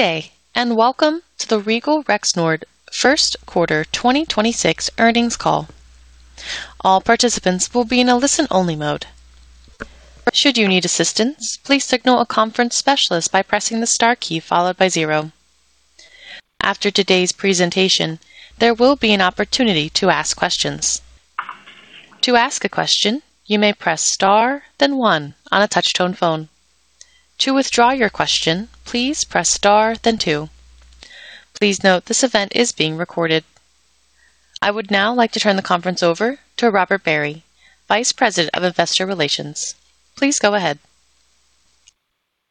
Good day, welcome to the Regal Rexnord first quarter 2026 earnings call. All participants will be in a listen-only mode. Should you need assistance, please signal a conference specialist by pressing the Star key followed by 0. After today's presentation, there will be an opportunity to ask questions. To ask a question, you may press Star, then 1 on a touch-tone phone. To withdraw your question, please press Star, then 2. Please note, this event is being recorded. I would now like to turn the conference over to Robert Barry, Vice President of Investor Relations. Please go ahead.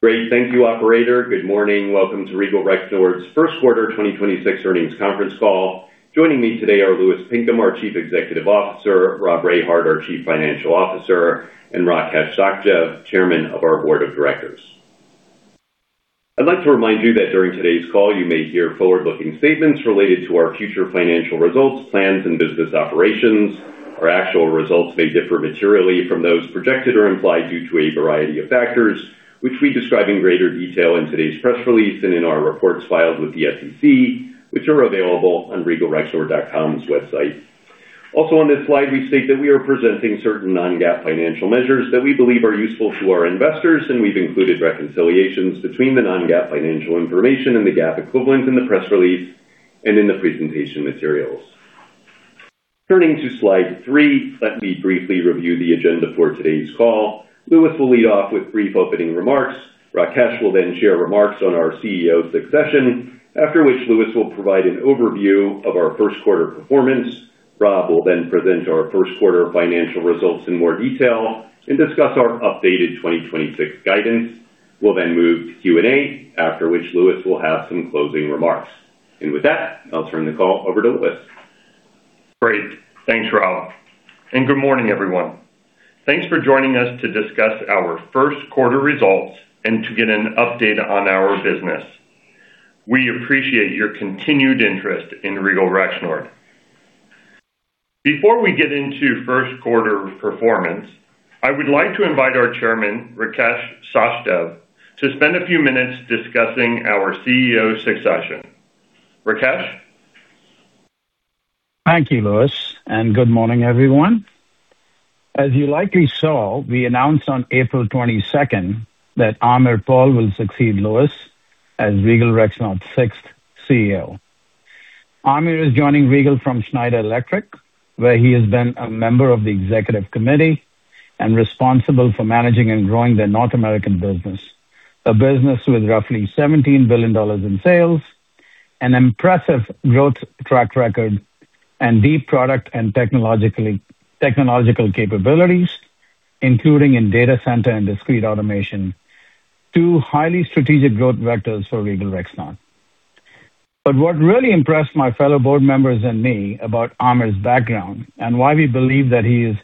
Great. Thank you, operator. Good morning. Welcome to Regal Rexnord's first quarter 2026 earnings conference call. Joining me today are Louis Pinkham, our Chief Executive Officer, Robert Rehard, our Chief Financial Officer, and Rakesh Sachdev, Chairman of our Board of Directors. I'd like to remind you that during today's call, you may hear forward-looking statements related to our future financial results, plans, and business operations. Our actual results may differ materially from those projected or implied due to a variety of factors, which we describe in greater detail in today's press release and in our reports filed with the SEC, which are available on regalrexnord.com's website. Also on this slide, we state that we are presenting certain non-GAAP financial measures that we believe are useful to our investors, and we've included reconciliations between the non-GAAP financial information and the GAAP equivalent in the press release and in the presentation materials. Turning to slide three, let me briefly review the agenda for today's call. Louis will lead off with brief opening remarks. Rakesh will share remarks on our CEO succession, after which Louis will provide an overview of our first quarter performance. Rob will present our first quarter financial results in more detail and discuss our updated 2026 guidance. We'll move to Q&A, after which Louis will have some closing remarks. With that, I'll turn the call over to Louis. Great. Thanks, Rob. Good morning, everyone. Thanks for joining us to discuss our first quarter results and to get an update on our business. We appreciate your continued interest in Regal Rexnord. Before we get into first quarter performance, I would like to invite our Chairman, Rakesh Sachdev, to spend a few minutes discussing our CEO succession. Rakesh. Thank you, Louis, and good morning, everyone. As you likely saw, we announced on April 22nd that Aamir Paul will succeed Louis as Regal Rexnord sixth CEO. Aamir is joining Regal from Schneider Electric, where he has been a member of the executive committee and responsible for managing and growing their North American business. A business with roughly $17 billion in sales, an impressive growth track record and deep product and technological capabilities, including in data center and discrete automation, two highly strategic growth vectors for Regal Rexnord. What really impressed my fellow board members and me about Aamir's background and why we believe that he is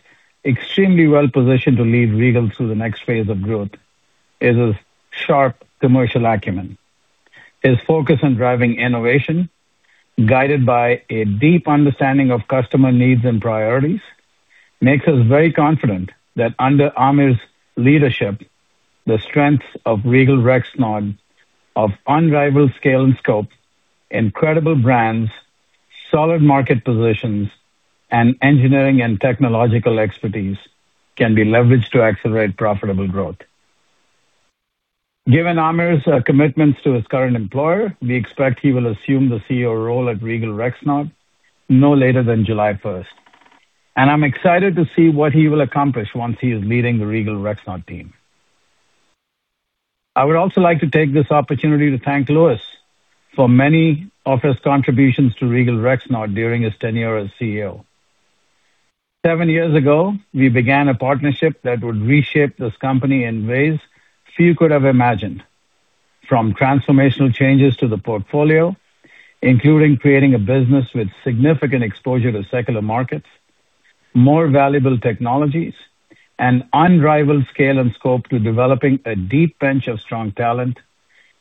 extremely well-positioned to lead Regal through the next phase of growth is his sharp commercial acumen. His focus on driving innovation, guided by a deep understanding of customer needs and priorities, makes us very confident that under Aamir's leadership, the strengths of Regal Rexnord of unrivaled scale and scope, incredible brands, solid market positions, and engineering and technological expertise can be leveraged to accelerate profitable growth. Given Aamir's commitments to his current employer, we expect he will assume the CEO role at Regal Rexnord no later than July first. I'm excited to see what he will accomplish once he is leading the Regal Rexnord team. I would also like to take this opportunity to thank Louis for many of his contributions to Regal Rexnord during his tenure as CEO. Seven years ago, we began a partnership that would reshape this company in ways few could have imagined, from transformational changes to the portfolio, including creating a business with significant exposure to secular markets, more valuable technologies, and unrivaled scale and scope to developing a deep bench of strong talent.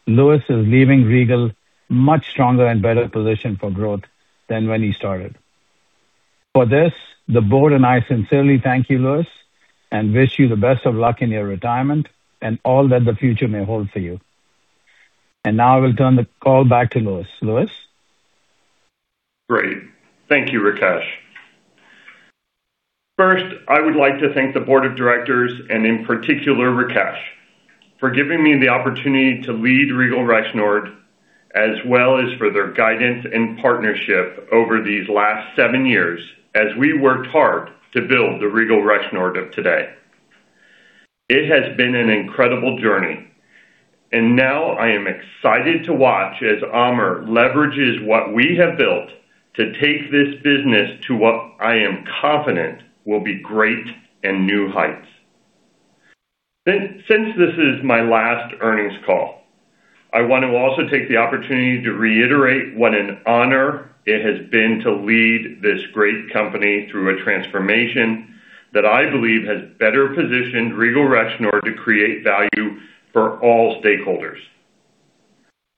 Louis is leaving Regal much stronger and better positioned for growth than when he started. For this, the board and I sincerely thank you, Louis, and wish you the best of luck in your retirement and all that the future may hold for you. Now I will turn the call back to Louis. Louis. Great. Thank you, Rakesh. First, I would like to thank the board of directors, and in particular Rakesh, for giving me the opportunity to lead Regal Rexnord, as well as for their guidance and partnership over these last seven years as we worked hard to build the Regal Rexnord of today. It has been an incredible journey. Now I am excited to watch as Aamir leverages what we have built to take this business to what I am confident will be great and new heights. Since this is my last earnings call, I want to also take the opportunity to reiterate what an honor it has been to lead this great company through a transformation that I believe has better positioned Regal Rexnord to create value for all stakeholders.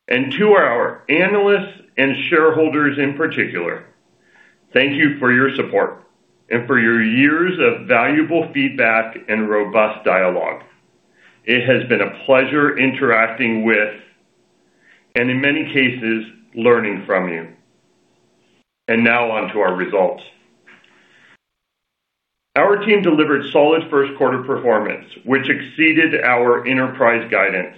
To our analysts and shareholders in particular. Thank you for your support and for your years of valuable feedback and robust dialogue. It has been a pleasure interacting with, and in many cases, learning from you. Now on to our results. Our team delivered solid first quarter performance, which exceeded our enterprise guidance.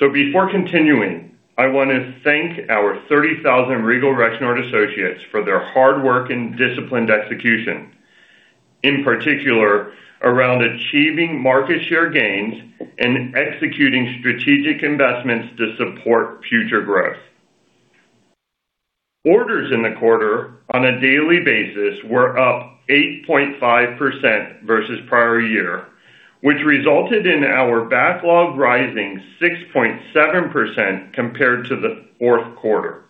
Before continuing, I wanna thank our 30,000 Regal Rexnord associates for their hard work and disciplined execution, in particular around achieving market share gains and executing strategic investments to support future growth. Orders in the quarter on a daily basis were up 8.5% versus prior year, which resulted in our backlog rising 6.7% compared to the fourth quarter.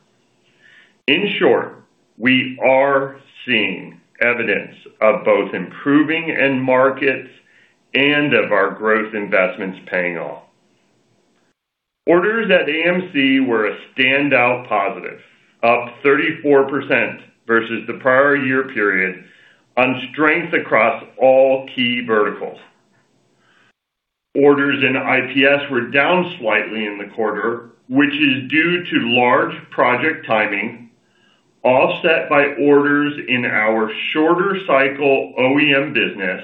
In short, we are seeing evidence of both improving end markets and of our growth investments paying off. Orders at AMC were a standout positive, up 34% versus the prior year period on strength across all key verticals. Orders in IPS were down slightly in the quarter, which is due to large project timing, offset by orders in our shorter cycle OEM business,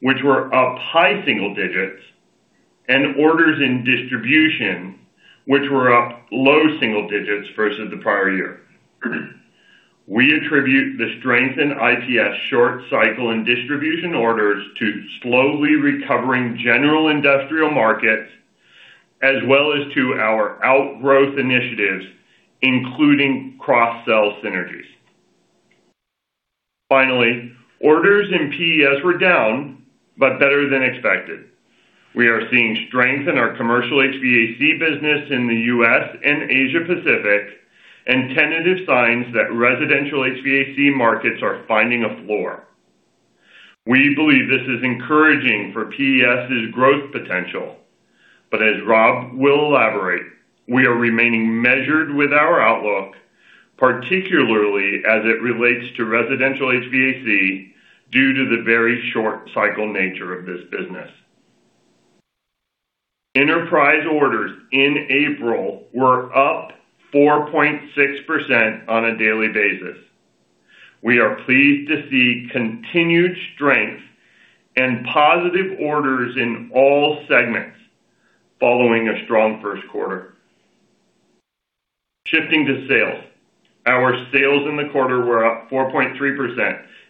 which were up high single digits, and orders in distribution, which were up low single digits versus the prior year. We attribute the strength in IPS short cycle and distribution orders to slowly recovering general industrial markets, as well as to our outgrowth initiatives, including cross-sell synergies. Orders in PES were down, but better than expected. We are seeing strength in our commercial HVAC business in the U.S. and Asia Pacific and tentative signs that residential HVAC markets are finding a floor. We believe this is encouraging for PES's growth potential. As Rob will elaborate, we are remaining measured with our outlook, particularly as it relates to residential HVAC due to the very short cycle nature of this business. Enterprise orders in April were up 4.6% on a daily basis. We are pleased to see continued strength and positive orders in all segments following a strong first quarter. Shifting to sales. Our sales in the quarter were up 4.3%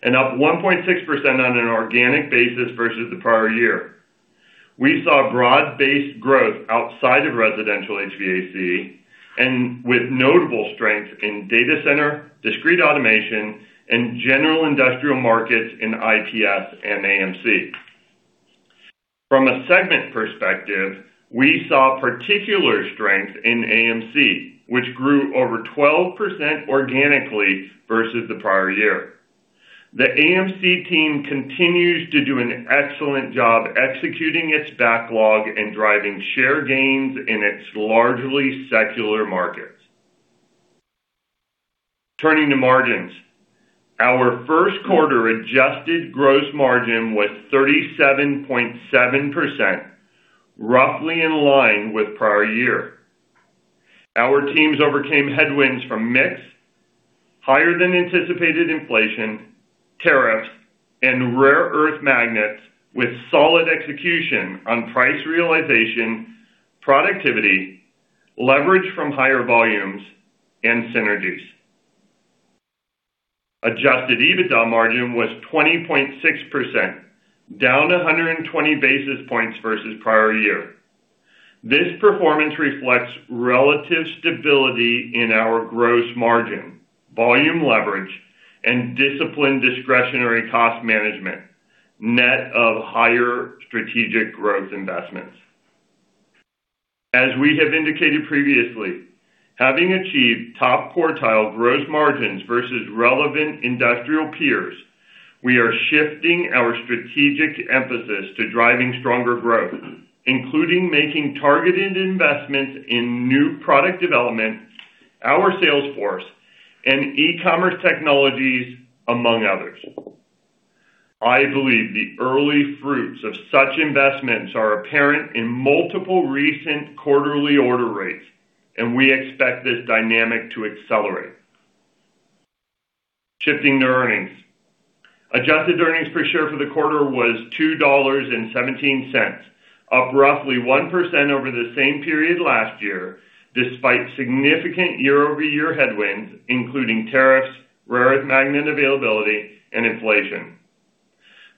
and up 1.6% on an organic basis versus the prior year. We saw broad-based growth outside of residential HVAC and with notable strength in data center, discrete automation, and general industrial markets in IPS and AMC. From a segment perspective, we saw particular strength in AMC, which grew over 12% organically versus the prior year. The AMC team continues to do an excellent job executing its backlog and driving share gains in its largely secular markets. Turning to margins. Our first quarter adjusted gross margin was 37.7%, roughly in line with prior year. Our teams overcame headwinds from mix, higher than anticipated inflation, tariffs, and rare earth magnets with solid execution on price realization, productivity, leverage from higher volumes, and synergies. Adjusted EBITDA margin was 20.6%, down 120 basis points versus prior year. This performance reflects relative stability in our gross margin, volume leverage, and disciplined discretionary cost management, net of higher strategic growth investments. As we have indicated previously, having achieved top quartile gross margins versus relevant industrial peers, we are shifting our strategic emphasis to driving stronger growth, including making targeted investments in new product development, our sales force, and e-commerce technologies, among others. I believe the early fruits of such investments are apparent in multiple recent quarterly order rates, and we expect this dynamic to accelerate. Shifting to earnings. Adjusted earnings per share for the quarter was $2.17, up roughly 1% over the same period last year, despite significant year-over-year headwinds, including tariffs, rare earth magnet availability, and inflation.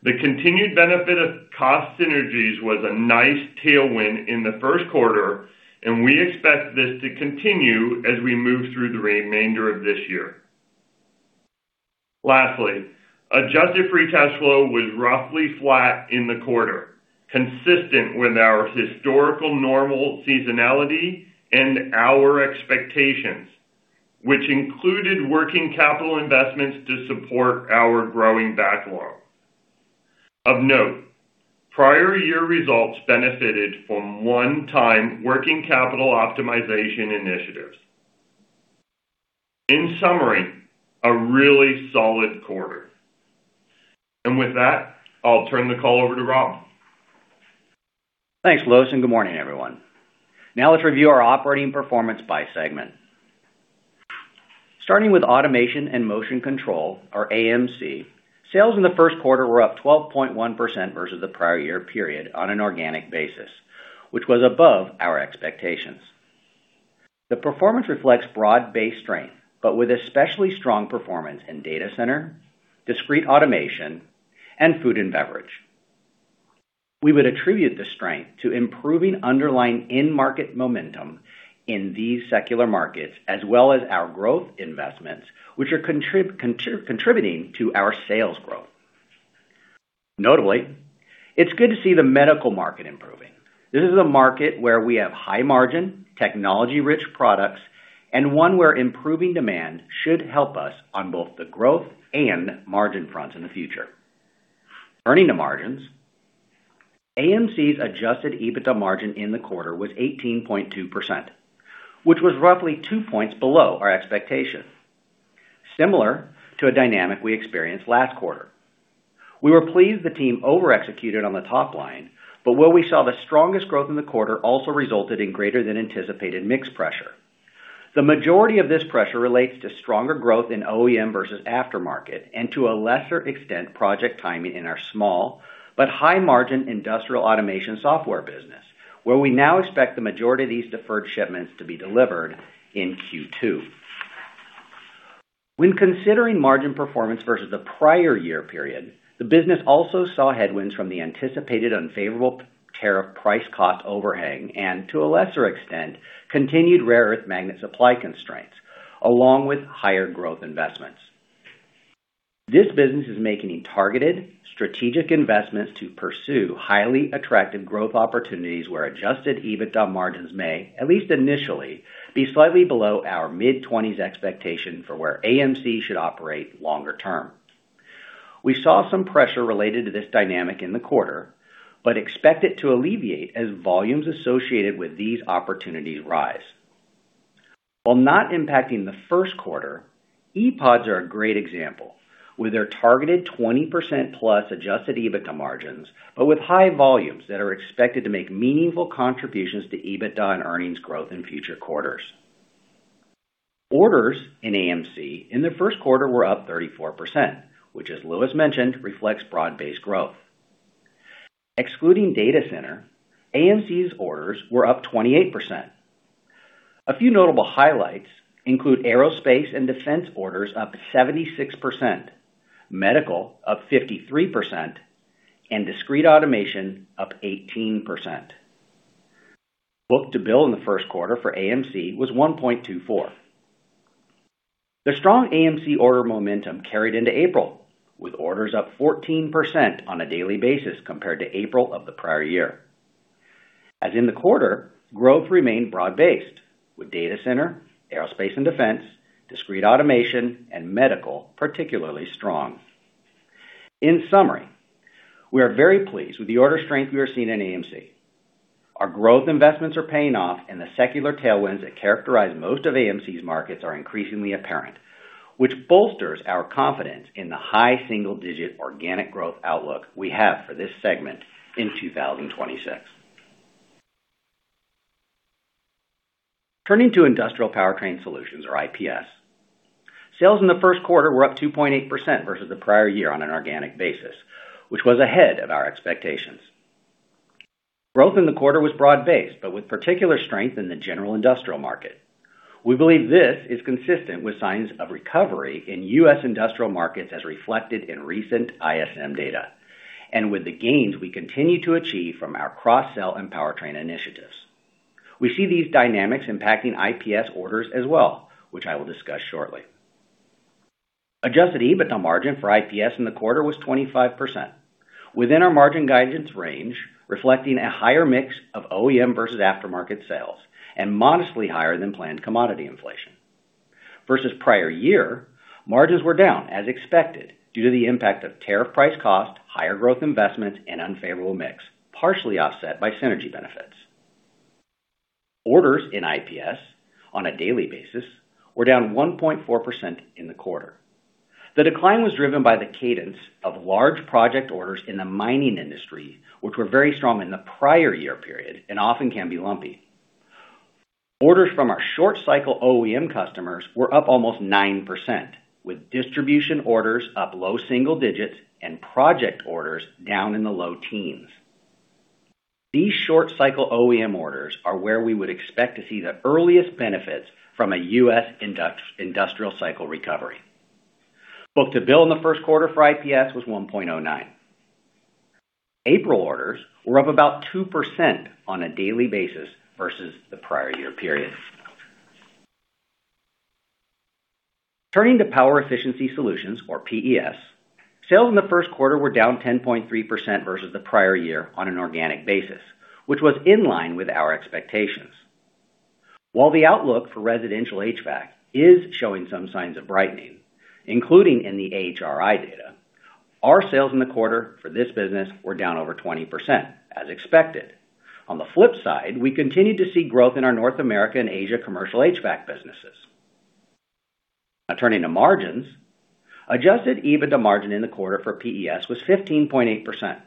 The continued benefit of cost synergies was a nice tailwind in the first quarter, and we expect this to continue as we move through the remainder of this year. Lastly, adjusted free cash flow was roughly flat in the quarter, consistent with our historical normal seasonality and our expectations, which included working capital investments to support our growing backlog. Of note, prior year results benefited from one-time working capital optimization initiatives. In summary, a really solid quarter. With that, I'll turn the call over to Rob. Thanks, Louis, and good morning, everyone. Let's review our operating performance by segment. Starting with Automation & Motion Control, or AMC, sales in the first quarter were up 12.1% versus the prior year period on an organic basis, which was above our expectations. The performance reflects broad-based strength, but with especially strong performance in data center, discrete automation, and food and beverage. We would attribute the strength to improving underlying end market momentum in these secular markets, as well as our growth investments, which are contributing to our sales growth. Notably, it's good to see the medical market improving. This is a market where we have high margin, technology-rich products, and one where improving demand should help us on both the growth and margin fronts in the future. Earning to margins, AMC's adjusted EBITDA margin in the quarter was 18.2%, which was roughly two points below our expectation, similar to a dynamic we experienced last quarter. We were pleased the team over-executed on the top line, but where we saw the strongest growth in the quarter also resulted in greater than anticipated mix pressure. The majority of this pressure relates to stronger growth in OEM versus aftermarket, and to a lesser extent, project timing in our small but high margin industrial automation software business, where we now expect the majority of these deferred shipments to be delivered in Q2. When considering margin performance versus the prior year period, the business also saw headwinds from the anticipated unfavorable tariff price cost overhang and, to a lesser extent, continued rare earth magnet supply constraints, along with higher growth investments. This business is making targeted strategic investments to pursue highly attractive growth opportunities where adjusted EBITDA margins may, at least initially, be slightly below our mid-twenties expectation for where AMC should operate longer term. We saw some pressure related to this dynamic in the quarter, but expect it to alleviate as volumes associated with these opportunities rise. While not impacting the first quarter, ePODs are a great example, with their targeted 20%+ adjusted EBITDA margins, but with high volumes that are expected to make meaningful contributions to EBITDA and earnings growth in future quarters. Orders in AMC in the first quarter were up 34%, which, as Louis mentioned, reflects broad-based growth. Excluding data center, AMC's orders were up 28%. A few notable highlights include aerospace and defense orders up 76%, medical up 53%, and discrete automation up 18%. Book-to-bill in the first quarter for AMC was 1.24. The strong AMC order momentum carried into April, with orders up 14% on a daily basis compared to April of the prior year. As in the quarter, growth remained broad-based, with data center, aerospace and defense, discrete automation, and medical particularly strong. In summary, we are very pleased with the order strength we are seeing in AMC. Our growth investments are paying off, and the secular tailwinds that characterize most of AMC's markets are increasingly apparent, which bolsters our confidence in the high single-digit organic growth outlook we have for this segment in 2026. Turning to Industrial Powertrain Solutions, or IPS, sales in the first quarter were up 2.8% versus the prior year on an organic basis, which was ahead of our expectations. Growth in the quarter was broad-based, with particular strength in the general industrial market. We believe this is consistent with signs of recovery in U.S. industrial markets as reflected in recent ISM data, and with the gains we continue to achieve from our cross-sell and powertrain initiatives. We see these dynamics impacting IPS orders as well, which I will discuss shortly. Adjusted EBITDA margin for IPS in the quarter was 25%. Within our margin guidance range, reflecting a higher mix of OEM versus aftermarket sales and modestly higher than planned commodity inflation. Versus prior year, margins were down as expected due to the impact of tariff price cost, higher growth investments, and unfavorable mix, partially offset by synergy benefits. Orders in IPS on a daily basis were down 1.4% in the quarter. The decline was driven by the cadence of large project orders in the mining industry, which were very strong in the prior year period and often can be lumpy. Orders from our short cycle OEM customers were up almost 9%, with distribution orders up low single digits and project orders down in the low teens. These short cycle OEM orders are where we would expect to see the earliest benefits from a U.S. industrial cycle recovery. Book-to-bill in the first quarter for IPS was 1.09. April orders were up about 2% on a daily basis versus the prior year period. Turning to Power Efficiency Solutions, or PES, sales in the first quarter were down 10.3% versus the prior year on an organic basis, which was in line with our expectations. While the outlook for residential HVAC is showing some signs of brightening, including in the AHRI data, our sales in the quarter for this business were down over 20% as expected. On the flip side, we continued to see growth in our North America and Asia commercial HVAC businesses. Now turning to margins. Adjusted EBITDA margin in the quarter for PES was 15.8%,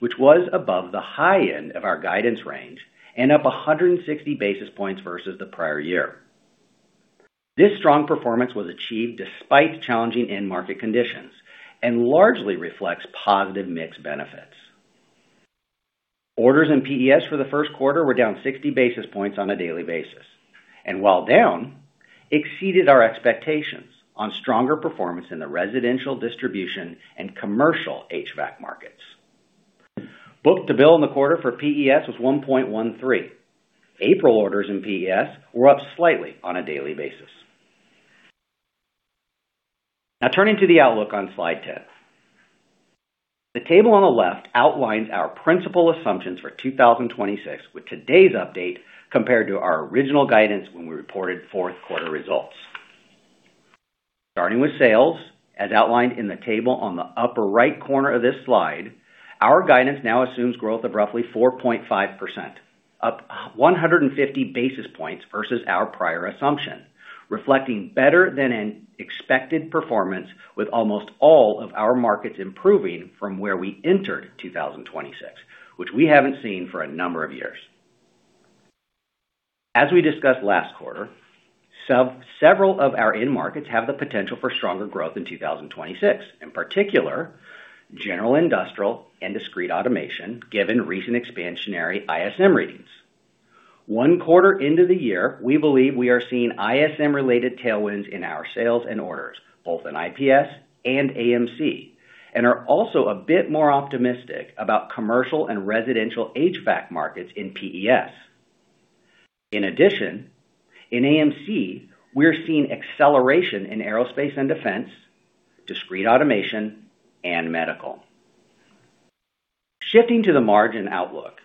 which was above the high end of our guidance range and up 160 basis points versus the prior year. This strong performance was achieved despite challenging end market conditions and largely reflects positive mix benefits. Orders in PES for the first quarter were down 60 basis points on a daily basis, and while down, exceeded our expectations on stronger performance in the residential distribution and commercial HVAC markets. Book-to-bill in the quarter for PES was 1.13. April orders in PES were up slightly on a daily basis. Now turning to the outlook on slide 10. The table on the left outlines our principal assumptions for 2026 with today's update compared to our original guidance when we reported fourth quarter results. Starting with sales, as outlined in the table on the upper right corner of this slide, our guidance now assumes growth of roughly 4.5%, up 150 basis points versus our prior assumption, reflecting better than an expected performance with almost all of our markets improving from where we entered 2026, which we haven't seen for a number of years. We discussed last quarter, several of our end markets have the potential for stronger growth in 2026, in particular general industrial and discrete automation, given recent expansionary ISM readings. One quarter into the year, we believe we are seeing ISM-related tailwinds in our sales and orders, both in IPS and AMC, and are also a bit more optimistic about commercial and residential HVAC markets in PES. In addition, in AMC, we're seeing acceleration in aerospace and defense, discrete automation, and medical. Shifting to the margin outlook,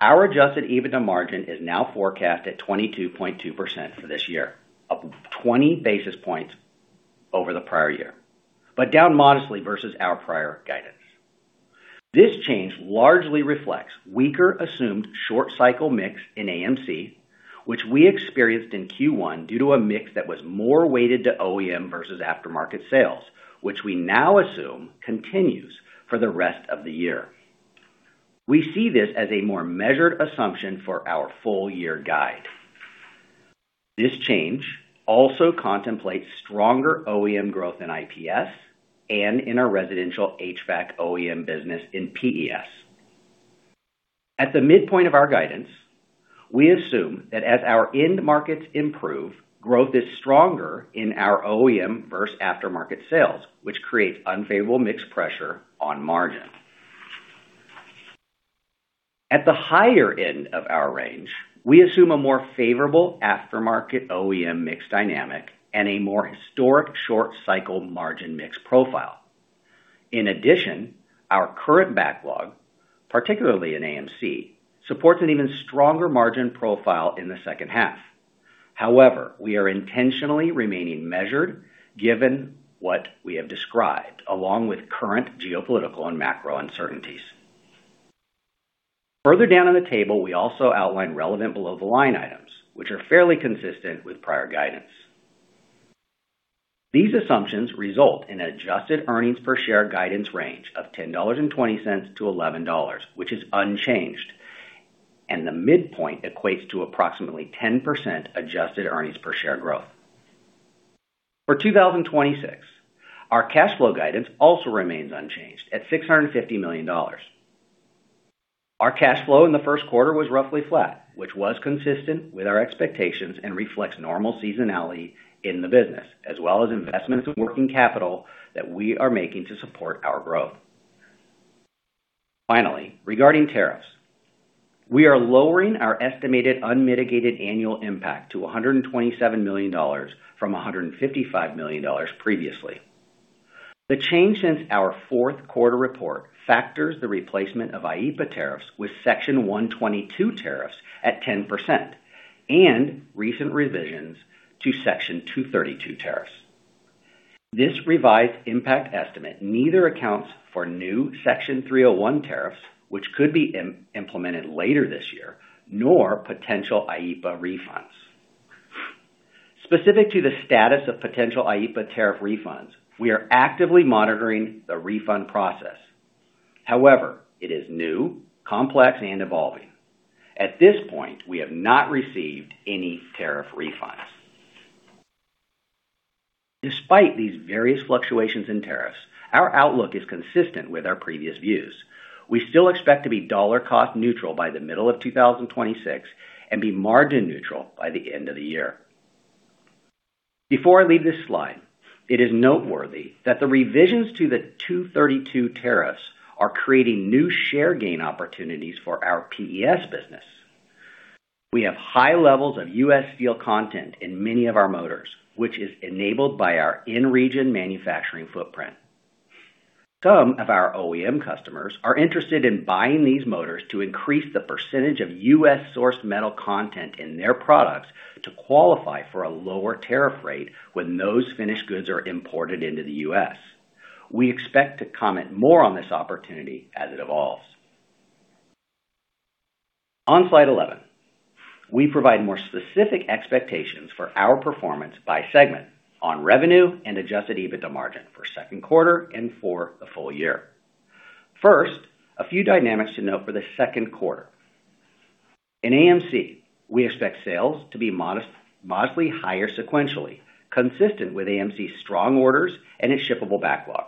our adjusted EBITDA margin is now forecast at 22.2% for this year, up 20 basis points over the prior year, but down modestly versus our prior guidance. This change largely reflects weaker assumed short cycle mix in AMC, which we experienced in Q1 due to a mix that was more weighted to OEM versus aftermarket sales, which we now assume continues for the rest of the year. We see this as a more measured assumption for our full-year guide. This change also contemplates stronger OEM growth in IPS and in our residential HVAC OEM business in PES. At the midpoint of our guidance, we assume that as our end markets improve, growth is stronger in our OEM versus aftermarket sales, which creates unfavorable mix pressure on margin. At the higher end of our range, we assume a more favorable aftermarket OEM mix dynamic and a more historic short cycle margin mix profile. In addition, our current backlog, particularly in AMC, supports an even stronger margin profile in the second half. We are intentionally remaining measured given what we have described, along with current geopolitical and macro uncertainties. Further down in the table, we also outline relevant below-the-line items, which are fairly consistent with prior guidance. These assumptions result in an adjusted earnings per share guidance range of $10.20-$11, which is unchanged, and the midpoint equates to approximately 10% adjusted earnings per share growth. For 2026, our cash flow guidance also remains unchanged at $650 million. Our cash flow in the first quarter was roughly flat, which was consistent with our expectations and reflects normal seasonality in the business, as well as investments with working capital that we are making to support our growth. Regarding tariffs, we are lowering our estimated unmitigated annual impact to $127 million from $155 million previously. The change since our fourth quarter report factors the replacement of IEEPA tariffs with Section 122 tariffs at 10% and recent revisions to Section 232 tariffs. This revised impact estimate neither accounts for new Section 301 tariffs, which could be implemented later this year, nor potential IEEPA refunds. Specific to the status of potential IEEPA tariff refunds, we are actively monitoring the refund process. It is new, complex, and evolving. At this point, we have not received any tariff refunds. Despite these various fluctuations in tariffs, our outlook is consistent with our previous views. We still expect to be dollar cost neutral by the middle of 2026 and be margin neutral by the end of the year. Before I leave this slide, it is noteworthy that the revisions to the 232 tariffs are creating new share gain opportunities for our PES business. We have high levels of U.S. steel content in many of our motors, which is enabled by our in-region manufacturing footprint. Some of our OEM customers are interested in buying these motors to increase the percentage of U.S.-sourced metal content in their products to qualify for a lower tariff rate when those finished goods are imported into the U.S. We expect to comment more on this opportunity as it evolves. On slide 11, we provide more specific expectations for our performance by segment on revenue and adjusted EBITDA margin for second quarter and for the full year. First, a few dynamics to note for the second quarter. In AMC, we expect sales to be modest, modestly higher sequentially, consistent with AMC's strong orders and its shippable backlog.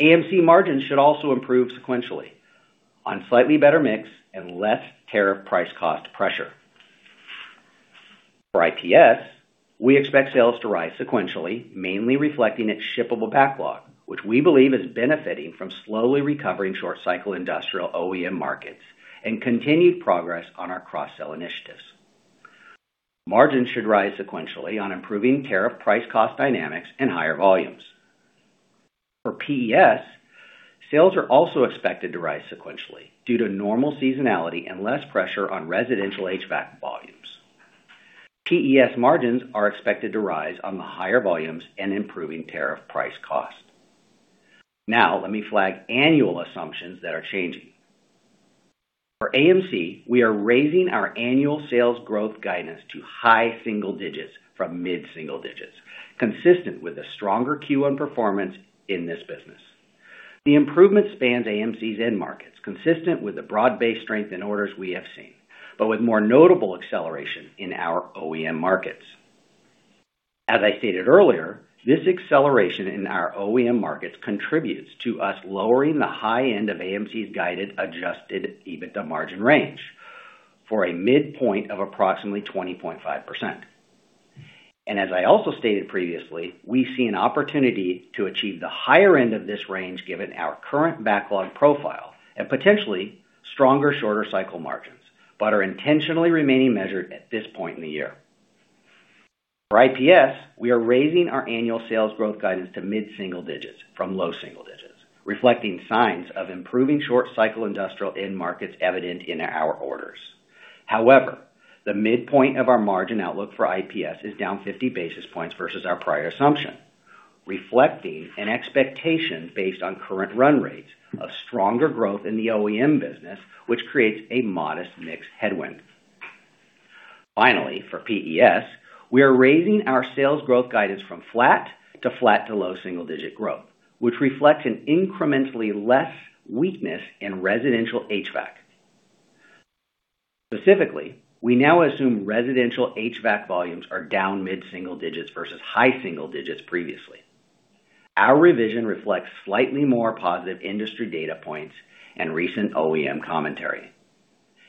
AMC margins should also improve sequentially on slightly better mix and less tariff price cost pressure. For IPS, we expect sales to rise sequentially, mainly reflecting its shippable backlog, which we believe is benefiting from slowly recovering short cycle industrial OEM markets and continued progress on our cross-sell initiatives. Margins should rise sequentially on improving tariff price cost dynamics and higher volumes. For PES, sales are also expected to rise sequentially due to normal seasonality and less pressure on residential HVAC volumes. PES margins are expected to rise on the higher volumes and improving tariff price cost. Let me flag annual assumptions that are changing. For AMC, we are raising our annual sales growth guidance to high single digits from mid single digits, consistent with the stronger Q1 performance in this business. The improvement spans AMC's end markets, consistent with the broad-based strength in orders we have seen, but with more notable acceleration in our OEM markets. As I stated earlier, this acceleration in our OEM markets contributes to us lowering the high end of AMC's guided adjusted EBITDA margin range for a midpoint of approximately 20.5%. As I also stated previously, we see an opportunity to achieve the higher end of this range given our current backlog profile and potentially stronger shorter cycle margins, but are intentionally remaining measured at this point in the year. For IPS, we are raising our annual sales growth guidance to mid-single digits from low-single digits, reflecting signs of improving short cycle industrial end markets evident in our orders. The midpoint of our margin outlook for IPS is down 50 basis points versus our prior assumption, reflecting an expectation based on current run rates of stronger growth in the OEM business, which creates a modest mix headwind. For PES, we are raising our sales growth guidance from flat to flat to low-single-digit growth, which reflects an incrementally less weakness in residential HVAC. We now assume residential HVAC volumes are down mid-single digits versus high-single digits previously. Our revision reflects slightly more positive industry data points and recent OEM commentary.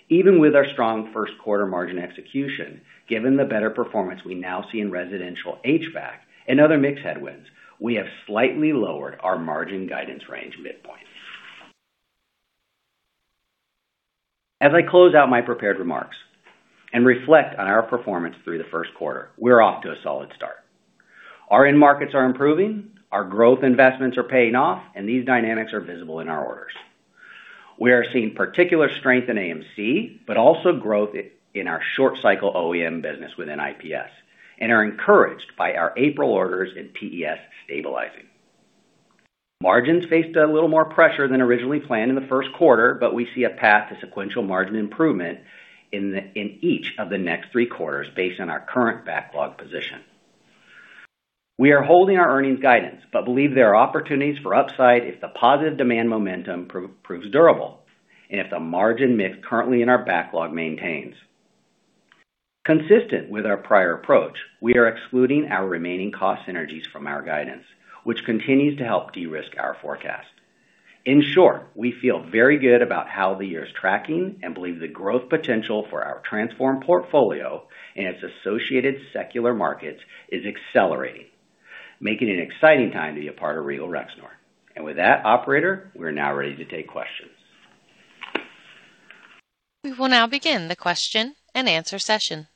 Even with our strong first quarter margin execution, given the better performance we now see in residential HVAC and other mix headwinds, we have slightly lowered our margin guidance range midpoint. As I close out my prepared remarks and reflect on our performance through the first quarter, we're off to a solid start. Our end markets are improving, our growth investments are paying off, and these dynamics are visible in our orders. We are seeing particular strength in AMC, but also growth in our short cycle OEM business within IPS, and are encouraged by our April orders in PES stabilizing. Margins faced a little more pressure than originally planned in the first quarter, but we see a path to sequential margin improvement in each of the next three quarters based on our current backlog position. We are holding our earnings guidance, believe there are opportunities for upside if the positive demand momentum proves durable and if the margin mix currently in our backlog maintains. Consistent with our prior approach, we are excluding our remaining cost synergies from our guidance, which continues to help de-risk our forecast. In short, we feel very good about how the year is tracking and believe the growth potential for our transformed portfolio and its associated secular markets is accelerating, making it an exciting time to be a part of Regal Rexnord. With that, operator, we are now ready to take questions. We will now begin the question and answer session.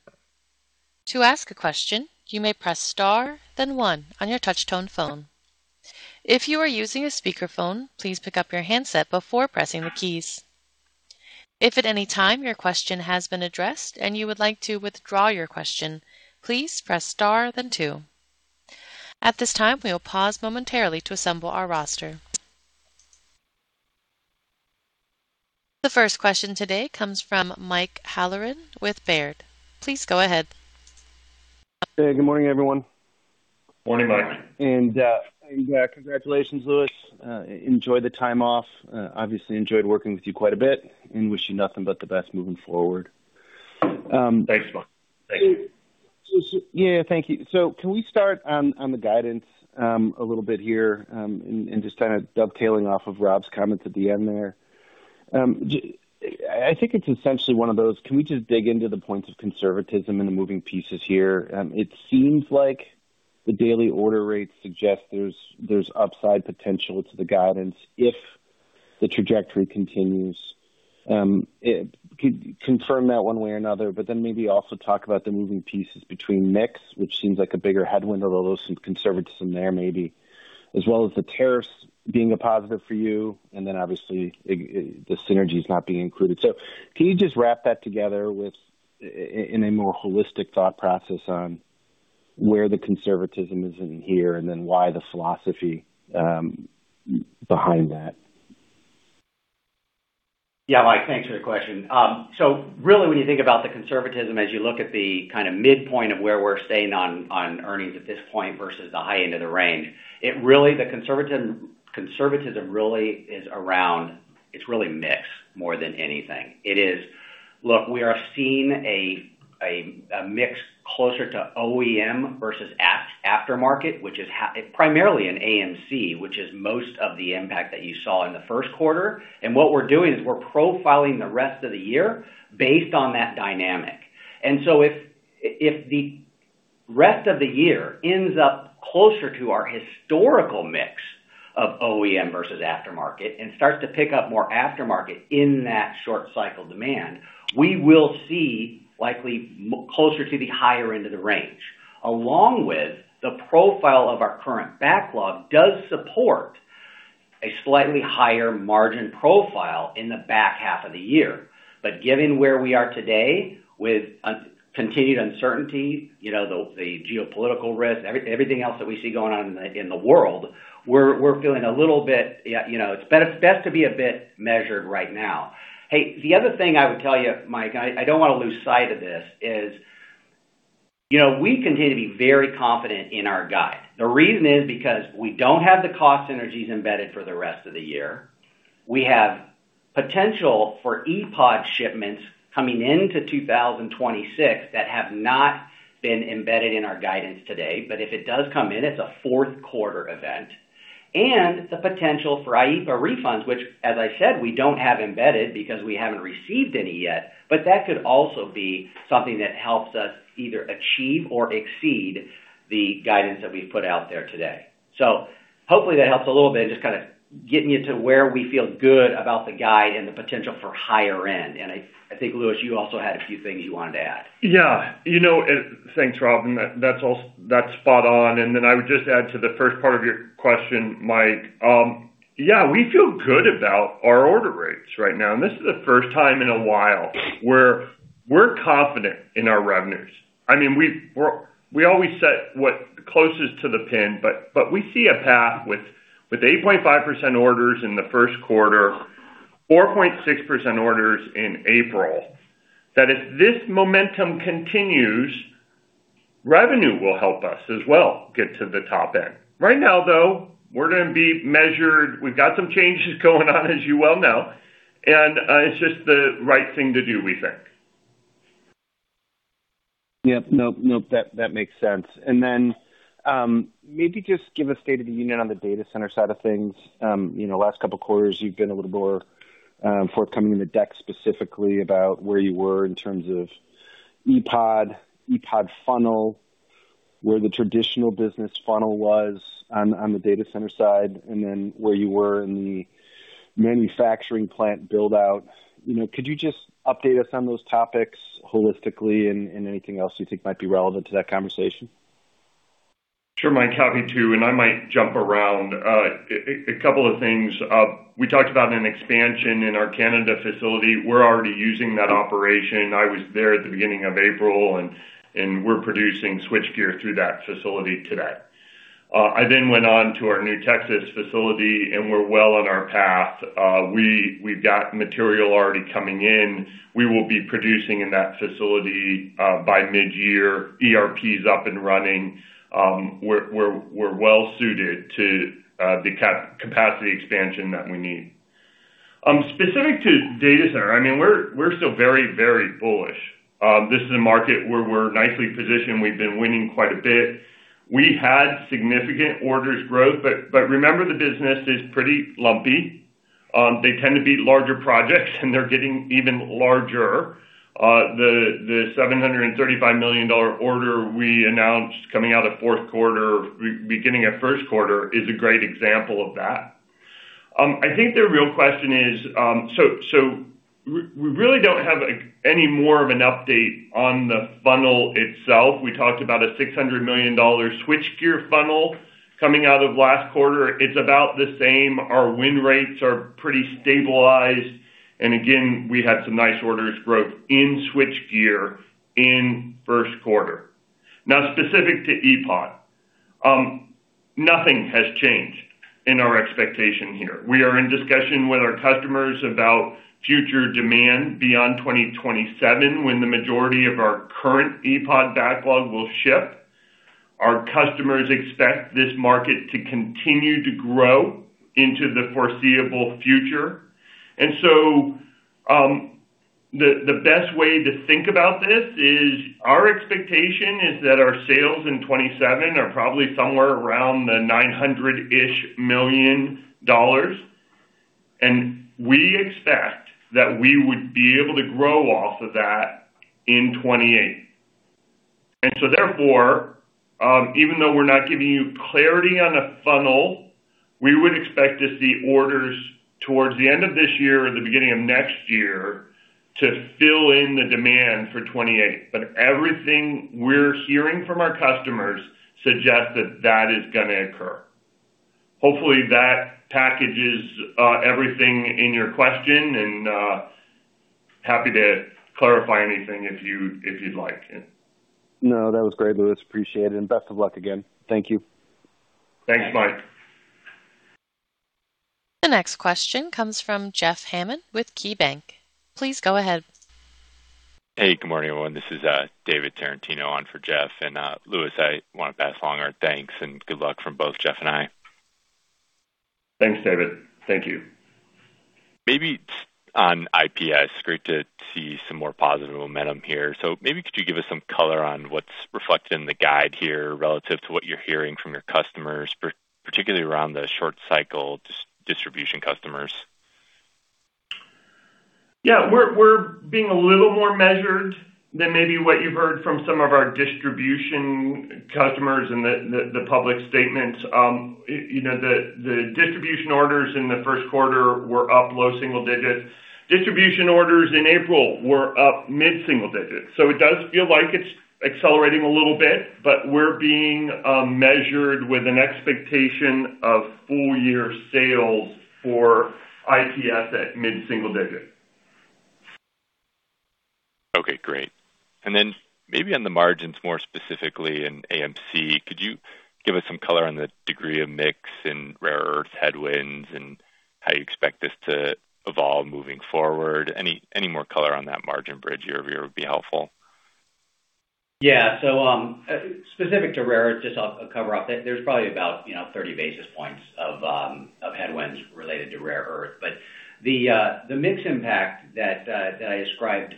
To ask a question, you may press Star, then one on your touch-tone phone. If you are using a speakerphone, please pick up your handset before pressing the keys. If at any time your question has been addressed and you would like to withdraw your question, please press Star, then two. At this time, we will pause momentarily to assemble our roster. The first question today comes from Mike Halloran with Baird. Please go ahead. Hey, good morning, everyone. Morning, Mike. Congratulations, Louis. Enjoy the time off. Obviously enjoyed working with you quite a bit and wish you nothing but the best moving forward. Thanks, Mike. Thank you. Yeah, thank you. Can we start on the guidance a little bit here, just kinda dovetailing off of Rob's comments at the end there. I think it's essentially one of those. Can we just dig into the points of conservatism and the moving pieces here? It seems like the daily order rates suggest there's upside potential to the guidance if the trajectory continues. It could confirm that one way or another, maybe also talk about the moving pieces between mix, which seems like a bigger headwind or a little some conservatism there maybe, as well as the tariffs being a positive for you, obviously the synergy is not being included. Can you just wrap that together with in a more holistic thought process on where the conservatism is in here and then why the philosophy behind that? Yeah, Mike, thanks for your question. Really, when you think about the conservatism, as you look at the kinda midpoint of where we're staying on earnings at this point versus the high end of the range, the conservatism really is around, it's really mix more than anything. It is, Look, we are seeing a mix closer to OEM versus aftermarket, which is primarily in AMC, which is most of the impact that you saw in the first quarter. What we're doing is we're profiling the rest of the year based on that dynamic. If the rest of the year ends up closer to our historical mix of OEM versus aftermarket and starts to pick up more aftermarket in that short cycle demand, we will see likely closer to the higher end of the range. Along with the profile of our current backlog does support a slightly higher margin profile in the back half of the year. Given where we are today with continued uncertainty, you know, the geopolitical risk, everything else that we see going on in the world, we're feeling a little bit, you know, it's best to be a bit measured right now. Hey, the other thing I would tell you, Mike, I don't want to lose sight of this, is, you know, we continue to be very confident in our guide. The reason is because we don't have the cost synergies embedded for the rest of the year. We have potential for ePOD shipments coming into 2026 that have not been embedded in our guidance today. If it does come in, it's a fourth quarter event. The potential for IEEPA refunds, which as I said, we don't have embedded because we haven't received any yet. That could also be something that helps us either achieve or exceed the guidance that we've put out there today. Hopefully that helps a little bit, just kind of getting you to where we feel good about the guide and the potential for higher end. I think, Louis, you also had a few things you wanted to add. You know, thanks, Rob. That, that's spot on. I would just add to the first part of your question, Mike. Yeah, we feel good about our order rates right now, and this is the first time in a while where we're confident in our revenues. I mean, we always set what closest to the pin, but we see a path with 8.5% orders in the first quarter, 4.6% orders in April, that if this momentum continues, revenue will help us as well get to the top end. Right now, though, we're gonna be measured. We've got some changes going on, as you well know, and it's just the right thing to do, we think. Yep. Nope. Nope. That makes sense. Maybe just give a state of the union on the data center side of things. You know, last couple quarters you've been a little more forthcoming in the deck specifically about where you were in terms of ePOD funnel, where the traditional business funnel was on the data center side, and then where you were in the manufacturing plant build-out. You know, could you just update us on those topics holistically and anything else you think might be relevant to that conversation? Sure, Mike. Happy to. I might jump around. A couple of things. We talked about an expansion in our Canada facility. We're already using that operation. I was there at the beginning of April, and we're producing switchgear through that facility today. I then went on to our new Texas facility. We're well on our path. We've got material already coming in. We will be producing in that facility by mid-year. ERP's up and running. We're well suited to the capacity expansion that we need. Specific to data center, I mean, we're still very, very bullish. This is a market where we're nicely positioned. We've been winning quite a bit. We had significant orders growth. Remember the business is pretty lumpy. They tend to be larger projects, and they're getting even larger. The $735 million order we announced coming out of fourth quarter, beginning of first quarter is a great example of that. I think the real question is, we really don't have, like, any more of an update on the funnel itself. We talked about a $600 million switchgear funnel coming out of last quarter. It's about the same. Our win rates are pretty stabilized. Again, we had some nice orders growth in switchgear in first quarter. Now, specific to ePOD, nothing has changed in our expectation here. We are in discussion with our customers about future demand beyond 2027, when the majority of our current ePOD backlog will ship. Our customers expect this market to continue to grow into the foreseeable future. The best way to think about this is our expectation is that our sales in 2027 are probably somewhere around the $900-ish million, and we expect that we would be able to grow off of that in 2028. Even though we're not giving you clarity on the funnel, we would expect to see orders towards the end of this year or the beginning of next year to fill in the demand for 2028. Everything we're hearing from our customers suggests that that is gonna occur. Hopefully, that packages everything in your question and happy to clarify anything if you, if you'd like. Yeah. No, that was great, Louis. Appreciate it, and best of luck again. Thank you. Thanks, Mike. The next question comes from Jeffrey Hammond with KeyBank. Please go ahead. Hey, good morning, everyone. This is David Tarantino on for Jeff. Louis, I wanna pass along our thanks and good luck from both Jeff and I. Thanks, David. Thank you. Maybe on IPS, great to see some more positive momentum here. Maybe could you give us some color on what's reflected in the guide here relative to what you're hearing from your customers, particularly around the short cycle distribution customers? Yeah. We're being a little more measured than maybe what you've heard from some of our distribution customers and the public statements. You know, the distribution orders in the first quarter were up low single digits. Distribution orders in April were up mid-single digits. It does feel like it's accelerating a little bit, but we're being measured with an expectation of full year sales for IPS at mid-single digits. Okay, great. Then maybe on the margins more specifically in AMC, could you give us some color on the degree of mix and rare earth headwinds and how you expect this to evolve moving forward? Any more color on that margin bridge year-over-year would be helpful. Yeah. Specific to rare earth, just cover off that there's probably about, you know, 30 basis points of headwinds related to rare earth. The mix impact that I described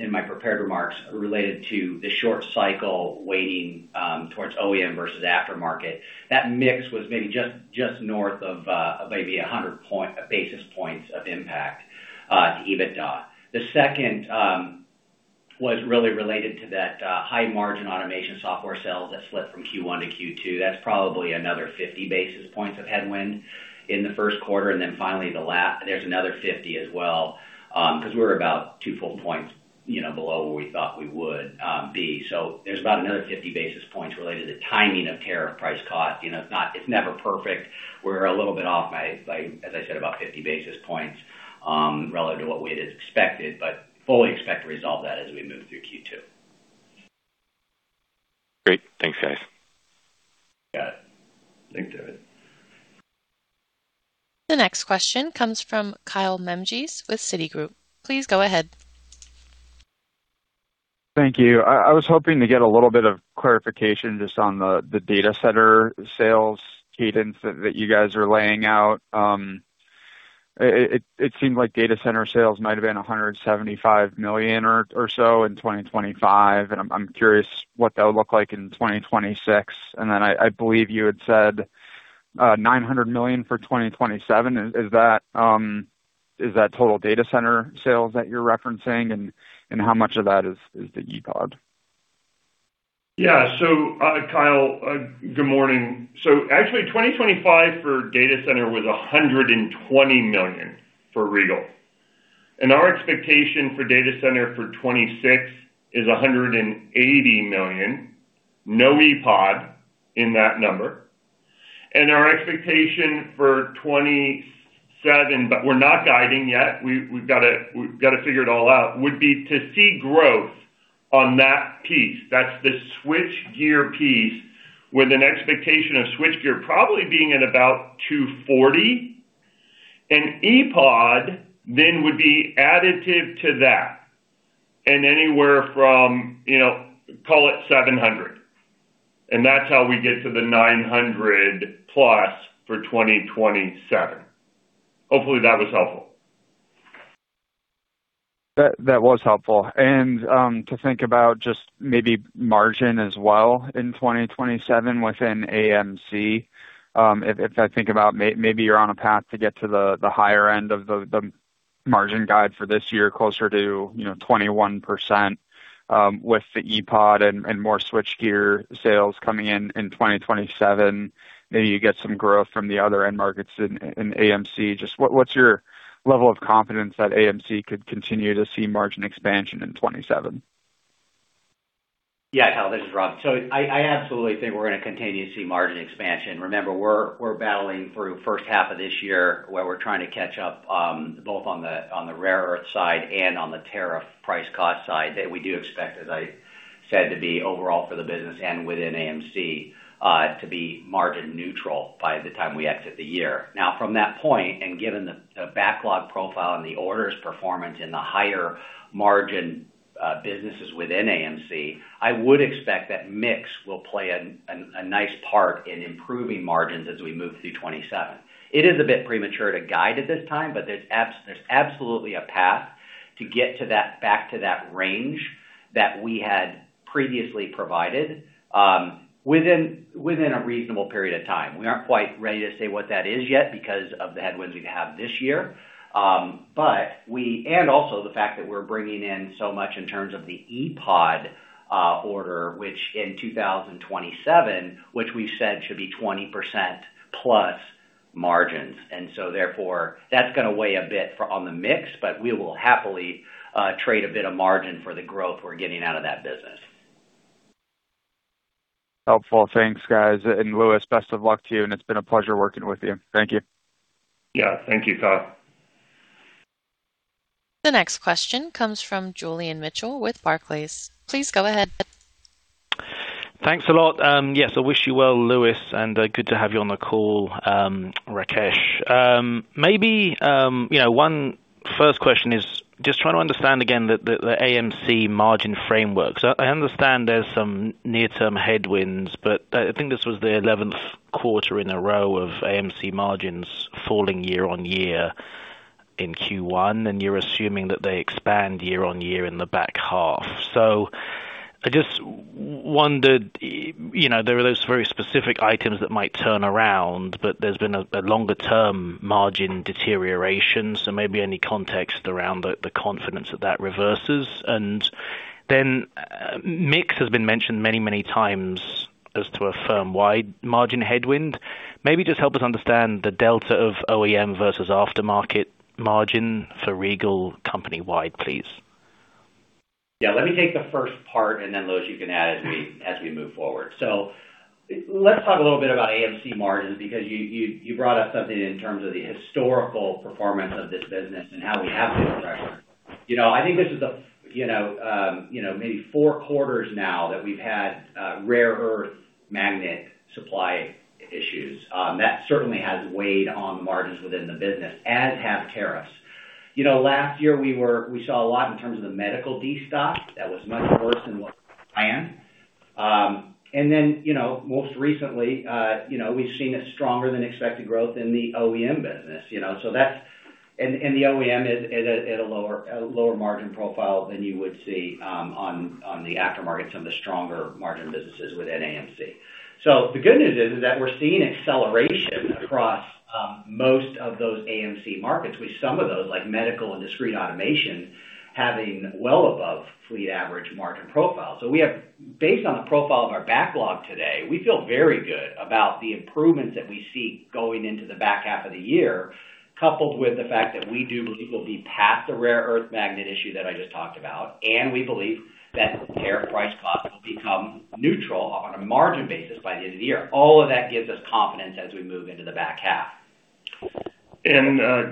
in my prepared remarks related to the short cycle weighting towards OEM versus aftermarket, that mix was maybe just north of maybe 100 basis points of impact to EBITDA. The second was really related to that high margin automation software sales that slipped from Q1 to Q2. That's probably another 50 basis points of headwind in the first quarter. Finally, there's another 50 as well, 'cause we're about two full points, you know, below where we thought we would be. There's about another 50 basis points related to timing of tariff price cost. You know, it's never perfect. We're a little bit off by, as I said, about 50 basis points, relative to what we'd have expected, but fully expect to resolve that as we move through Q2. Great. Thanks, guys. Got it. Thanks, David. The next question comes from Kyle Menges with Citigroup. Please go ahead. Thank you. I was hoping to get a little bit of clarification just on the data center sales cadence that you guys are laying out. It seems like data center sales might have been $175 million or so in 2025, I'm curious what that would look like in 2026. Then I believe you had said $900 million for 2027. Is that total data center sales that you're referencing? How much of that is the ePOD? Yeah. Kyle, good morning. Actually, 2025 for data center was $120 million for Regal. Our expectation for data center for 2026 is $180 million, no ePOD in that number. Our expectation for 2027, we're not guiding yet, we've gotta figure it all out, would be to see growth on that piece. That's the switchgear piece with an expectation of switchgear probably being at about $240 million. ePOD would be additive to that, anywhere from, you know, call it $700 million. That's how we get to the $900+ for 2027. Hopefully, that was helpful. That was helpful. To think about just maybe margin as well in 2027 within AMC, if I think about maybe you're on a path to get to the higher end of the margin guide for this year, closer to, you know, 21%, with the ePOD and more switchgear sales coming in in 2027, maybe you get some growth from the other end markets in AMC. What's your level of confidence that AMC could continue to see margin expansion in 2027? Yeah. Kyle, this is Rob. I absolutely think we're gonna continue to see margin expansion. Remember, we're battling through first half of this year where we're trying to catch up, both on the rare earth side and on the tariff price cost side, that we do expect, as I said, to be overall for the business and within AMC to be margin neutral by the time we exit the year. Now from that point, given the backlog profile and the orders performance in the higher margin, businesses within AMC, I would expect that mix will play a, an, a nice part in improving margins as we move through 2027. It is a bit premature to guide at this time, but there's absolutely a path to get to that range that we had previously provided, within a reasonable period of time. We aren't quite ready to say what that is yet because of the headwinds we have this year. Also the fact that we're bringing in so much in terms of the ePOD order, which in 2027, which we said should be 20% plus margins. Therefore, that's gonna weigh a bit for on the mix, but we will happily trade a bit of margin for the growth we're getting out of that business. Helpful. Thanks, guys. Louis, best of luck to you and it's been a pleasure working with you. Thank you. Yeah. Thank you, Kyle Menges. The next question comes from Julian Mitchell with Barclays. Please go ahead. Thanks a lot. Yes, I wish you well, Louis Pinkham, and good to have you on the call, Rakesh Sachdev. Maybe first question is just trying to understand again the AMC margin framework. I understand there's some near-term headwinds, but I think this was the 11th quarter in a row of AMC margins falling year-over-year in Q1, and you're assuming that they expand year-over-year in the back half. I just wondered, there are those very specific items that might turn around, but there's been a longer term margin deterioration. Maybe any context around the confidence that that reverses. Mix has been mentioned many, many times as to a firm-wide margin headwind. Maybe just help us understand the delta of OEM versus aftermarket margin for Regal company-wide, please. Yeah, let me take the first part, and then Louis, you can add as we move forward. Let's talk a little bit about AMC margins because you brought up something in terms of the historical performance of this business and how we have been structured. You know, I think this is the, you know, maybe four quarters now that we've had rare earth magnet supply issues. That certainly has weighed on margins within the business, as have tariffs. You know, last year we saw a lot in terms of the medical destock that was much worse than what we planned. And then, you know, most recently, you know, we've seen a stronger than expected growth in the OEM business, you know. The OEM is at a lower margin profile than you would see on the aftermarket, some of the stronger margin businesses within AMC. The good news is that we're seeing acceleration across most of those AMC markets, with some of those, like medical and discrete automation, having well above fleet average margin profile. Based on the profile of our backlog today, we feel very good about the improvements that we see going into the back half of the year, coupled with the fact that we do believe we'll be past the rare earth magnet issue that I just talked about, and we believe that tariff price cost will become neutral on a margin basis by the end of the year. All of that gives us confidence as we move into the back half.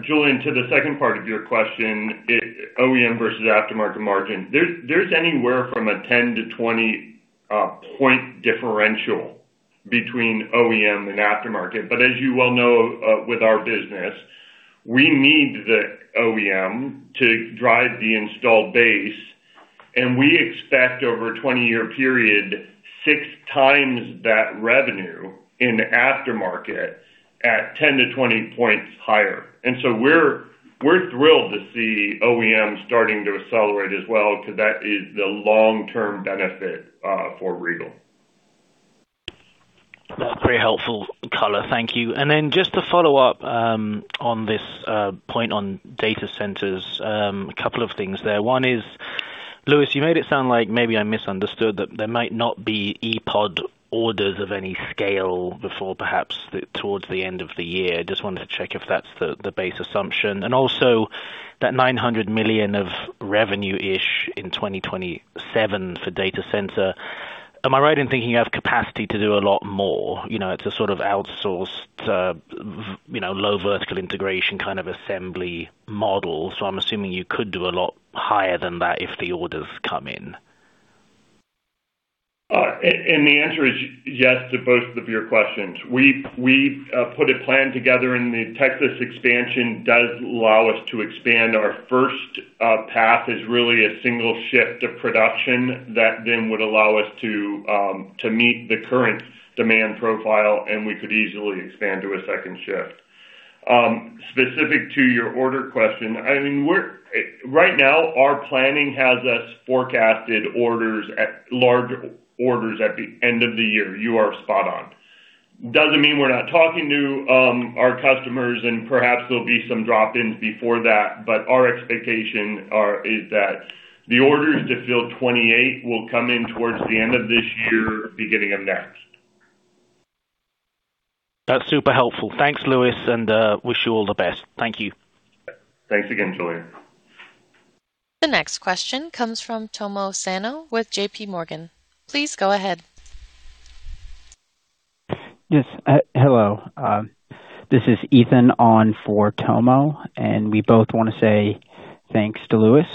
Julian, to the second part of your question, OEM versus aftermarket margin. There's anywhere from a 10-20 point differential between OEM and aftermarket. As you well know, with our business, we need the OEM to drive the installed base, and we expect over a 20-year period, six times that revenue in aftermarket at 10-20 points higher. We're thrilled to see OEM starting to accelerate as well, cause that is the long-term benefit for Regal. That's very helpful color. Thank you. Just to follow up on this point on data centers, a couple of things there. One is, Louis, you made it sound like maybe I misunderstood, that there might not be ePOD orders of any scale before perhaps towards the end of the year. Just wanted to check if that's the base assumption. That $900 million of revenue-ish in 2027 for data center, am I right in thinking you have capacity to do a lot more? You know, it's a sort of outsourced, you know, low vertical integration kind of assembly model. I'm assuming you could do a lot higher than that if the orders come in. The answer is yes to both of your questions. We've put a plan together, and the Texas expansion does allow us to expand. Our first path is really a single shift of production that then would allow us to meet the current demand profile, and we could easily expand to a second shift. Specific to your order question, I mean, right now, our planning has us forecasted orders at large orders at the end of the year. You are spot on. Doesn't mean we're not talking to our customers and perhaps there'll be some drop-ins before that, but our expectation is that the orders to fill 28 will come in towards the end of this year, beginning of next. That's super helpful. Thanks, Louis, and wish you all the best. Thank you. Thanks again, Julian. The next question comes from Tomohiko Sano with J.P. Morgan. Please go ahead. Yes. Hello. This is Ethan on for Tomo, and we both wanna say thanks to Louis.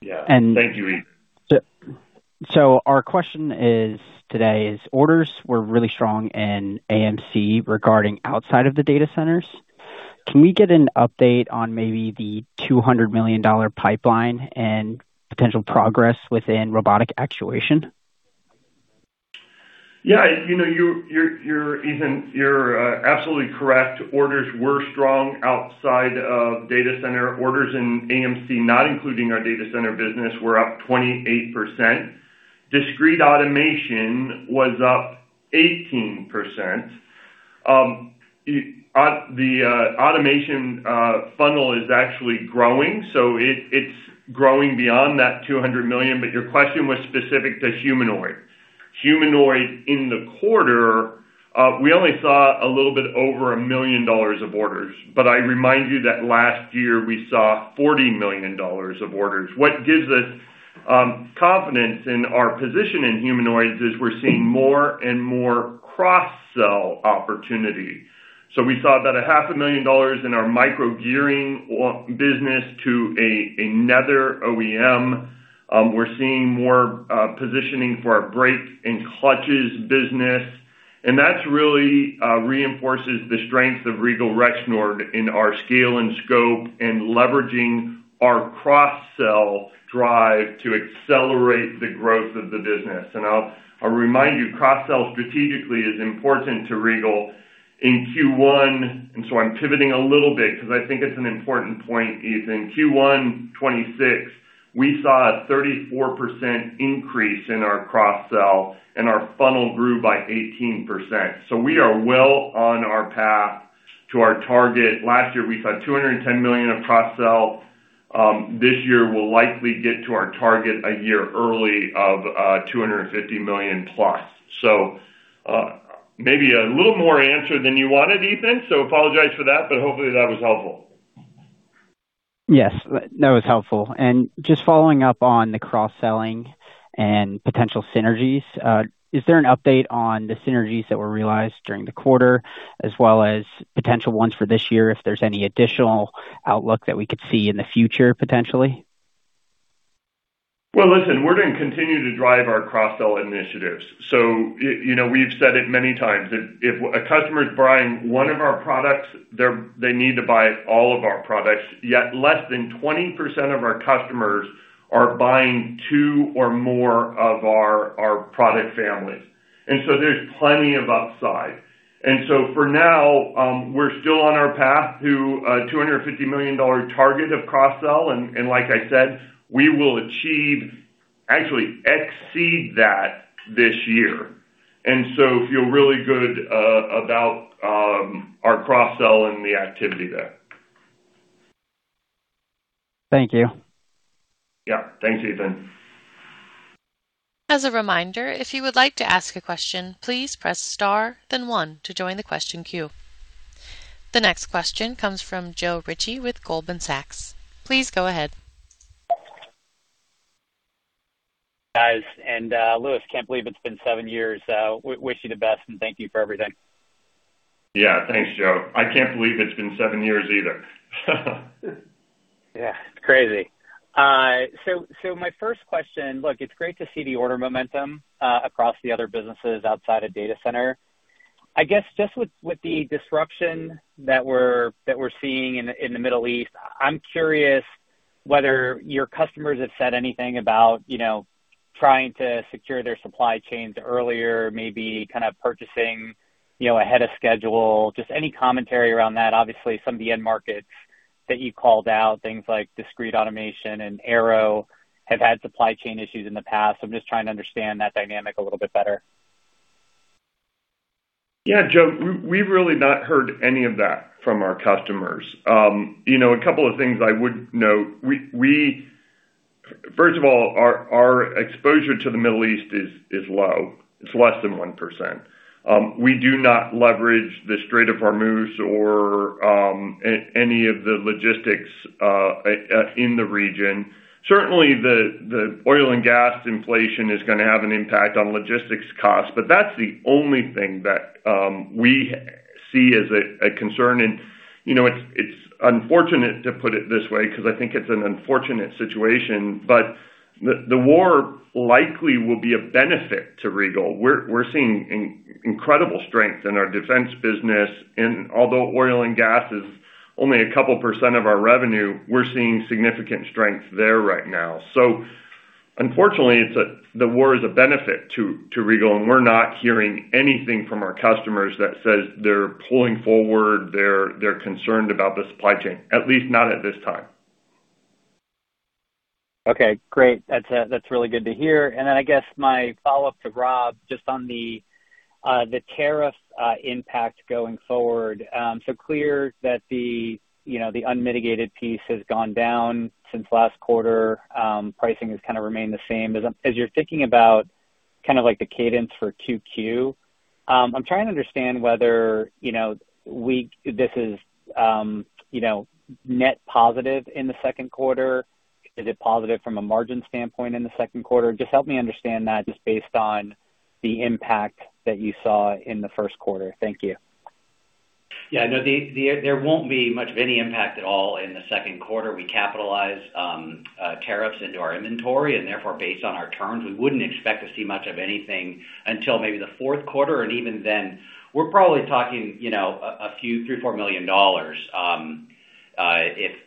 Yeah. Thank you, Ethan. Our question is, today is orders were really strong in AMC regarding outside of the data centers. Can we get an update on maybe the $200 million pipeline and potential progress within robotic actuation? Yeah, you know, Ethan, you're absolutely correct. Orders were strong outside of data center. Orders in AMC, not including our data center business, were up 28%. Discrete automation was up 18%. The automation funnel is actually growing, so it's growing beyond that $200 million. Your question was specific to humanoid. Humanoid in the quarter, we only saw a little bit over $1 million of orders. I remind you that last year we saw $40 million of orders. What gives us confidence in our position in humanoids is we're seeing more and more cross-sell opportunities. We saw about a half a million dollars in our microgearing business to another OEM. We're seeing more positioning for our brake and clutches business, that's really reinforces the strength of Regal Rexnord in our scale and scope and leveraging our cross-sell drive to accelerate the growth of the business. I'll remind you, cross-sell strategically is important to Regal. In Q1, I'm pivoting a little bit because I think it's an important point, Ethan. Q1 2026, we saw a 34% increase in our cross-sell, our funnel grew by 18%. We are well on our path to our target. Last year, we saw $210 million of cross-sell. This year we'll likely get to our target a year early of $250 million plus. Maybe a little more answer than you wanted, Ethan, apologize for that, hopefully that was helpful. Yes, that was helpful. Just following up on the cross-selling and potential synergies, is there an update on the synergies that were realized during the quarter as well as potential ones for this year, if there's any additional outlook that we could see in the future, potentially? Well, listen, we're gonna continue to drive our cross-sell initiatives. You know, we've said it many times that if a customer is buying one of our products, they need to buy all of our products. Yet less than 20% of our customers are buying two or more of our product families. There's plenty of upside. For now, we're still on our path to a $250 million target of cross-sell. Like I said, we will achieve, actually exceed that this year. Feel really good about our cross-sell and the activity there. Thank you. Yeah. Thanks, Ethan. As a reminder, if you would like to ask a question, please press star then one to join the question queue. The next question comes from Joe Ritchie with Goldman Sachs. Please go ahead. Guys, Louis, can't believe it's been seven years. Wish you the best, and thank you for everything. Yeah, thanks, Joe. I can't believe it's been seven years either. Yeah, it's crazy. My first question Look, it's great to see the order momentum across the other businesses outside of data center. I guess just with the disruption that we're seeing in the Middle East, I'm curious whether your customers have said anything about, you know, trying to secure their supply chains earlier, maybe kind of purchasing, you know, ahead of schedule. Just any commentary around that. Obviously, some of the end markets that you called out, things like discrete automation and Aero, have had supply chain issues in the past. I'm just trying to understand that dynamic a little bit better. Yeah, Joe, we've really not heard any of that from our customers. You know, a couple of things I would note. First of all, our exposure to the Middle East is low. It's less than 1%. We do not leverage the Strait of Hormuz or any of the logistics in the region. Certainly, the oil and gas inflation is gonna have an impact on logistics costs, but that's the only thing that we see as a concern. You know, it's unfortunate to put it this way because I think it's an unfortunate situation, but the war likely will be a benefit to Regal. We're seeing incredible strength in our defense business. Although oil and gas is only a couple percent of our revenue, we're seeing significant strength there right now. Unfortunately, it's the war is a benefit to Regal, and we're not hearing anything from our customers that says they're pulling forward, they're concerned about the supply chain, at least not at this time. Okay, great. That's really good to hear. I guess my follow-up to Rob, just on the tariff impact going forward. Clear that the, you know, the unmitigated piece has gone down since last quarter. Pricing has kind of remained the same. As you're thinking about kind of like the cadence for QQ, I'm trying to understand whether, you know, this is, you know, net positive in the second quarter. Is it positive from a margin standpoint in the second quarter? Just help me understand that just based on the impact that you saw in the first quarter. Thank you. Yeah, no, there won't be much of any impact at all in the second quarter. We capitalize tariffs into our inventory and therefore based on our terms, we wouldn't expect to see much of anything until maybe the fourth quarter. Even then, we're probably talking, you know, a few, $3 million, $4 million,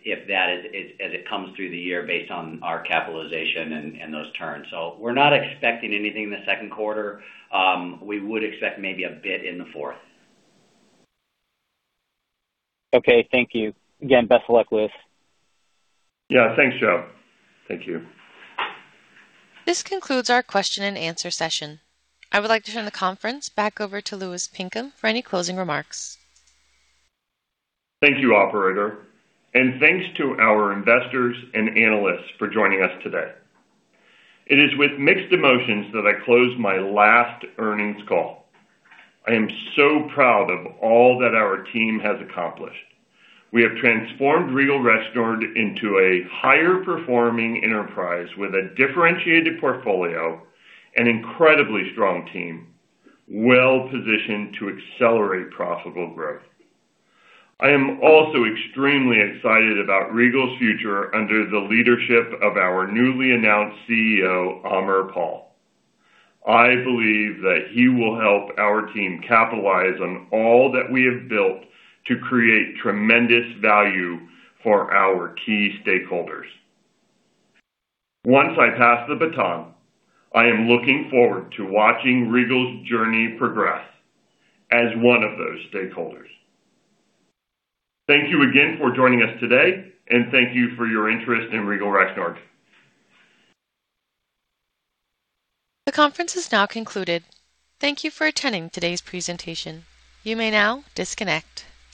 if that is as it comes through the year based on our capitalization and those turns. We're not expecting anything in the second quarter. We would expect maybe a bit in the fourth quarter. Okay, thank you. Again, best of luck, Louis. Yeah. Thanks, Joe. Thank you. This concludes our question and answer session. I would like to turn the conference back over to Louis Pinkham for any closing remarks. Thank you, operator, and thanks to our investors and analysts for joining us today. It is with mixed emotions that I close my last earnings call. I am so proud of all that our team has accomplished. We have transformed Regal Rexnord into a higher performing enterprise with a differentiated portfolio and incredibly strong team, well-positioned to accelerate profitable growth. I am also extremely excited about Regal's future under the leadership of our newly announced CEO, Aamir Paul. I believe that he will help our team capitalize on all that we have built to create tremendous value for our key stakeholders. Once I pass the baton, I am looking forward to watching Regal's journey progress as one of those stakeholders. Thank you again for joining us today, and thank you for your interest in Regal Rexnord. The conference is now concluded. Thank you for attending today's presentation. You may now disconnect.